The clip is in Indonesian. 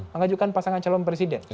mengajukan pasangan calon presiden